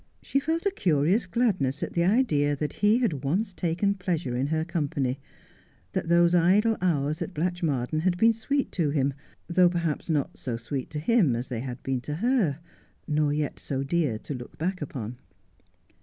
She felt a curious gladness at the idea that he had once taken pleasure in her company — that those idle hours at Blatchmardean had been sweet to him, though perhaps not so sweet to him as they had been to her, nor yet so dear to look back upon.